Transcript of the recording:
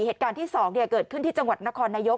เหตุการณ์ที่๒เกิดขึ้นที่จังหวัดนครนายก